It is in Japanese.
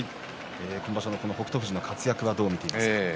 今場所の北勝富士の活躍はどうですか？